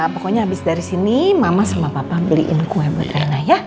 pokoknya habis dari sini mama sama papa beliin kue buatan lah ya